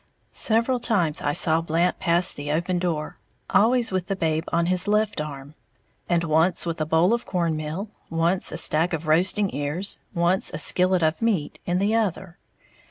Several times I saw Blant pass the open door, always with the babe on his left arm, and once with a bowl of cornmeal, once a stack of roasting ears, once a skillet of meat, in the other.